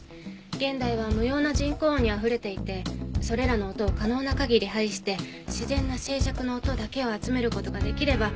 現代は無用な人工音にあふれていてそれらの音を可能な限り排して自然な静寂の音だけを集める事ができれば